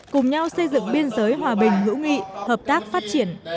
cùng nhau xây dựng biên giới hòa bình hữu nghị hợp tác phát triển